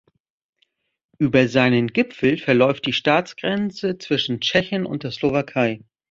Über seinen Gipfel verläuft die Staatsgrenze zwischen Tschechien und der Slowakei.